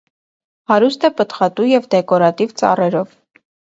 Հարուստ է պտղատու և դեկորատիվ ծառերով։